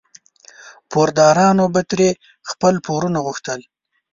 پوردارانو به ترې خپل پورونه غوښتل.